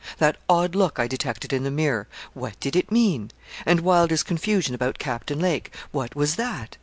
That odd look I detected in the mirror what did it mean? and Wylder's confusion about Captain Lake what was that?